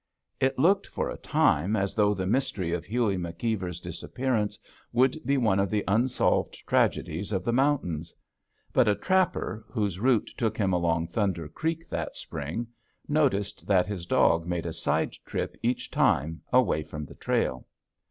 It looked for a time, as though the mystery of Hughie McKeever's disappearance would be one of the unsolved tragedies of the mountains. But a trapper, whose route took him along Thunder Creek that spring, noticed that his dog made a side trip each time, away from the trail.